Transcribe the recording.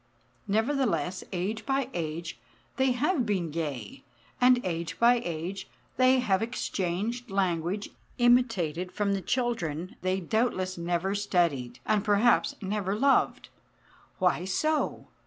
Nevertheless, age by age they have been gay; and age by age they have exchanged language imitated from the children they doubtless never studied, and perhaps never loved. Why so?